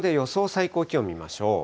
最高気温見ましょう。